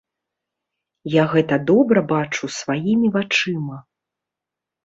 Я гэта добра бачу сваімі вачыма.